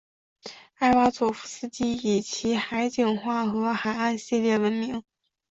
艾瓦佐夫斯基以其海景画和海岸系列闻名。